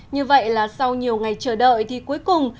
như vậy là sau nhiều ngày chờ đợi thì cuối cùng